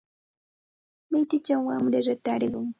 Mituchawmi wamra ratarqun.